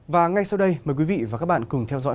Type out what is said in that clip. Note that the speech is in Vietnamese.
và ngay sau đây mời quý vị và các bạn cùng theo dõi